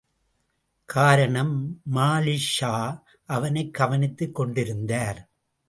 காரணம் மாலிக்ஷா அவனைக் கவனித்துக் கொண்டிருந்தார்.